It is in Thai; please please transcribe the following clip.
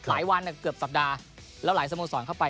หลายวันเกือบสัปดาห์แล้วหลายสโมสรเข้าไป